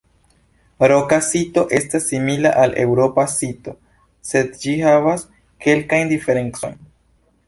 Roka sito estas simila al eŭropa sito sed ĝi havas kelkajn diferencojn.